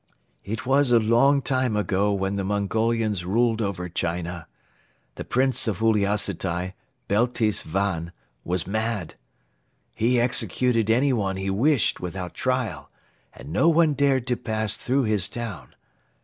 "It was a long time ago when the Mongolians ruled over China. The Prince of Uliassutai, Beltis Van, was mad. He executed any one he wished without trial and no one dared to pass through his town.